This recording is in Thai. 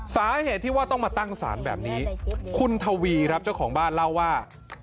สาเหตุที่ว่าต้องมาตั้งศาลแบบนี้คุณทวีครับเจ้าของบ้านเล่าว่า